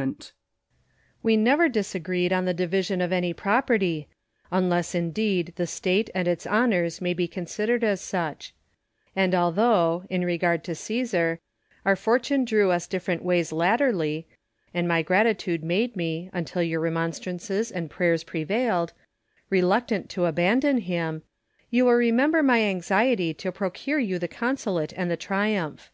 Quinctus. We never disagreed on the division of any property, unless indeed the State and its honours may be considered as such ; and although, in regard to Csesar, our fortune drew us different ways latterly, and my gratitude made me, until your remonstrances and prayers prevailed, reluctant to abandon him, you will remember my anxiety to procure you the consulate and the triumph.